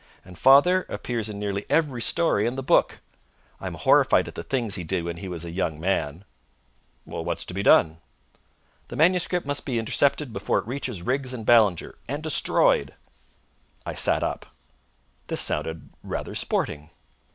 And father appears in nearly every story in the book! I am horrified at the things he did when he was a young man!" "What's to be done?" "The manuscript must be intercepted before it reaches Riggs and Ballinger, and destroyed!" I sat up. This sounded rather sporting.